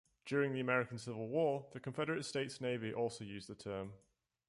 During the American Civil War, the Confederate States Navy also used the term.